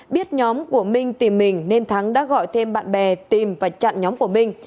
biết nhóm của minh tìm mình nên thắng đã gọi thêm bạn bè tìm và chặn nhóm của minh